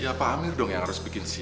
ya pak amir dong yang harus bikin si